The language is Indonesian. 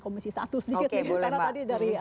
komisi satu sedikit karena tadi dari